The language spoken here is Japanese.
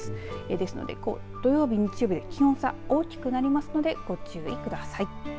ですので土曜日、日曜日は気温差大きくなりますのでご注意ください。